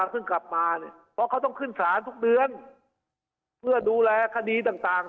เพราะเขาต้องขึ้นภารพ์ทุกเดือน